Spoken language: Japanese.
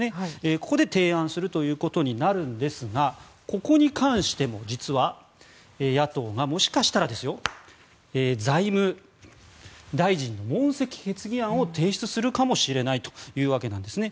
ここで提案するということになるんですがここに関しても実は野党がもしかしたらですよ財務大臣の問責決議案を提出するかもしれないというわけなんですね。